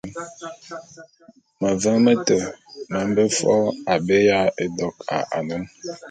Meveň mete me mbe fo’o abé ya édok a anen.